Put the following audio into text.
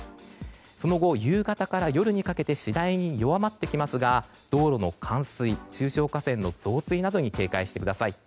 その後、夕方から夜にかけて次第に弱まってきますが道路の冠水中小河川の増水などに警戒してください。